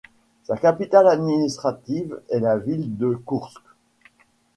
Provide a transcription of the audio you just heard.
Sa capitale administrative est la ville de Koursk.